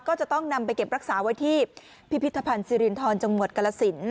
ก็จะต้องนำไปเก็บรักษาไว้ที่พิพิธภัณฑ์สิรินทรจังหวัดกรสิน